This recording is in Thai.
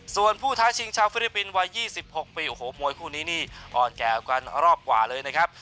ส่วนผู้ท้าชิงชาวฟิลิปปินส์วัย๒๖ปีโอ้โหมวยคู่นี้นี่อ่อนแก่กันรอบกว่าเลยนะครับ